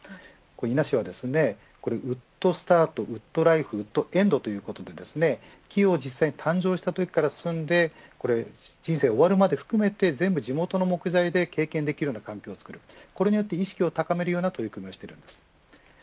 伊那市は、ウッドスタートウッドライフウッドエンドということで木を実際に誕生したときから住んで人生が終わるまでを含めて地元の木材で経験できるような環境をつくるこれによって意識を高めるような取り組みをしています。